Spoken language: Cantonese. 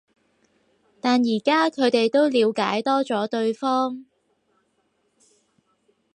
但而家佢哋都了解多咗對方